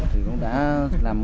thì cũng đã làm mọi công việc